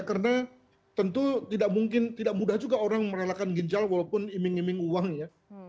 karena tentu tidak mudah juga orang merelakan ginjal walaupun iming iming uangnya